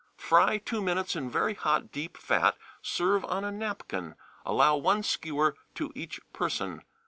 Fry two minutes in very hot deep fat, serve on a napkin; allow one skewer to each person.